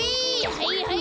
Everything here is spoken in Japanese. はいはい！